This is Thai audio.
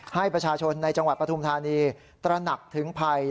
ให้ประชาชนในจังหวัดปฐุมธานีตระหนักถึงภัย